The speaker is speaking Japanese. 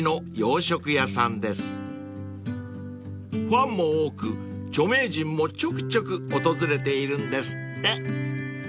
［ファンも多く著名人もちょくちょく訪れているんですって］